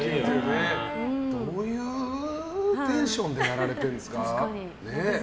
どういうテンションでやられているんですか？